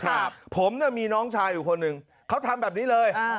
ครับผมเนี่ยมีน้องชายอยู่คนหนึ่งเขาทำแบบนี้เลยอ่า